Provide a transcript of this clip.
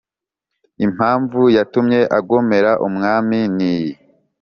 Impamvu yatumye agomera umwami ni iyi